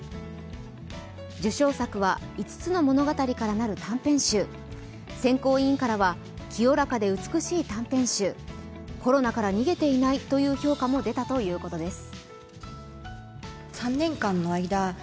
受賞作は５つの物語からなる短編集選考委員からは、清らかで美しい短編集コロナから逃げていないという評価も出たということです。